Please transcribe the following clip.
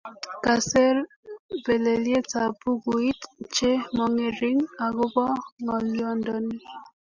Kaser belelietab bukuit che mongering agobo ngolyondoni